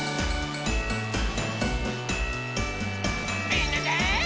みんなで。